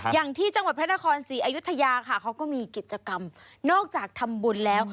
อย่างที่จังหวัดพระนครศรีอยุธยาค่ะเขาก็มีกิจกรรมนอกจากทำบุญแล้ว